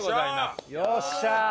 よっしゃー！